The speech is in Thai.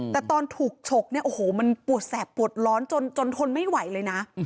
แต่ตอนถูกฉกเนี่ยโอ้โหมันปวดแสบปวดร้อนจนทนไม่ไหวเลยนะ